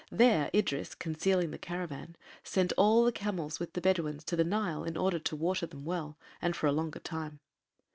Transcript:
There Idris, concealing the caravan, sent all the camels with the Bedouins to the Nile in order to water them well and for a longer time.